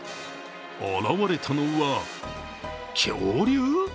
現れたのは恐竜？